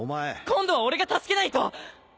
今度は俺が助けないと！